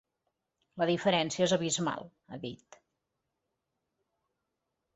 La diferència és abismal, ha dit.